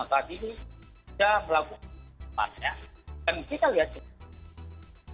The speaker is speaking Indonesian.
nah saat ini sudah melakukan maksudnya dan kita lihat juga